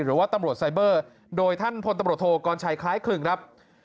หรือว่าตำรวจไซเบอร์โดยท่านพลตำรวจโทกรชัยคล้ายคลึงครับ